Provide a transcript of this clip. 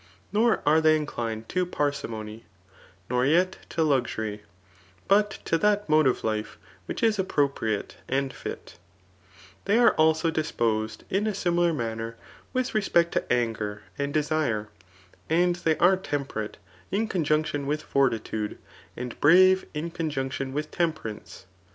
Nor are they inclined to parsimony, nor yet to luxury, bm to that [mode of Ufe] which is appropriate, and fiti They are also disposed in a similar manner with respect to anger and desire; and they are temperate in conjunc* tion with fortitude, and brave in conjunction with tem^ perance.